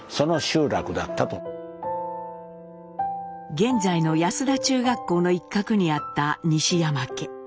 現在の安田中学校の一角にあった西山家。